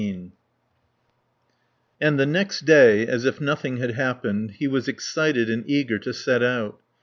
XIII And the next day, as if nothing had happened, he was excited and eager to set out.